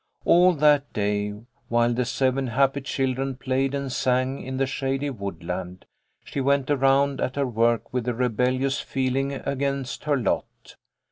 All that day, while the seven happy children played and sang in the shady woodland, she went around at her work with a rebellious feeling against her lot.